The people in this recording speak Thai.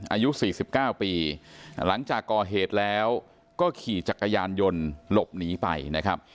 อายุ๔๙ปีหลังจากก่อเหตุแล้วก็ขี่จักรยานยนต์หลบหนีไปนะครับ